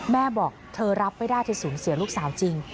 บอกเธอรับไม่ได้เธอสูญเสียลูกสาวจริง